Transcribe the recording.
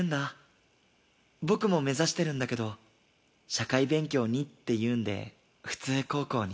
僕も目指してるんだけど社会勉強にっていうんで普通高校に。